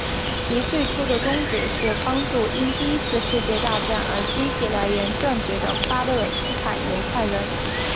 其最初的宗旨是帮助因第一次世界大战而经济来源断绝的巴勒斯坦犹太人。